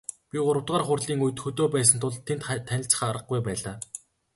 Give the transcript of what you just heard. Би гуравдугаар хурлын үед хөдөө байсан тул тэнд танилцах аргагүй байлаа.